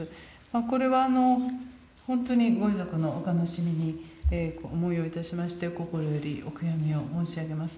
これは本当にご遺族のお悲しみに思いを致しまして、心よりお悔やみを申し上げます。